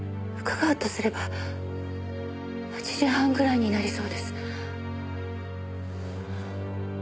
「伺うとすれば８時半ぐらいになりそうです」